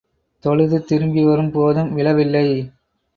தொழுது திரும்பி வரும் போதும் விழவில்லை.